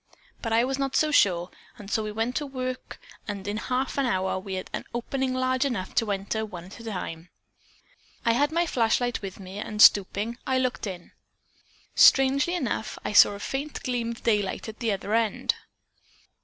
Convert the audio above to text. But I was not so sure, and so we went to work and in half an hour we had an opening large enough to enter one at a time. I had my flashlight with me, and stooping, I looked in. Strangely enough, I saw a faint gleam of daylight at the other end."